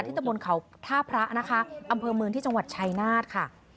ตะบนเขาท่าพระนะคะอำเภอเมืองที่จังหวัดชายนาฏค่ะ